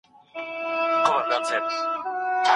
محیط د مثبت فکر لپاره دی.